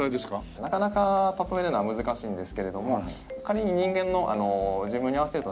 なかなか例えるのは難しいんですけれども仮に人間の時分に合わせると７０歳ぐらいと。